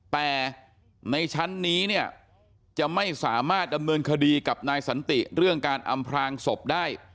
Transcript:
แต่ในชั้นนี้เนี่ยจะไม่สามารถดำเนินคดีกับนายสันติเรื่องการอำพลางศพได้